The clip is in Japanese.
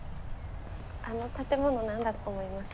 あの建物何だと思います？